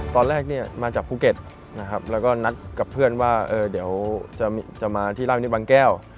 ตอนแรกมาจากภูเก็ตแล้วก็นัดกับเพื่อนว่าเดี๋ยวจะมาที่ราบินิตบางแก้ว